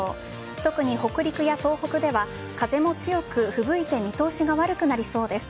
特に北陸や東北では風も強くふぶいて見通しが悪くなりそうです。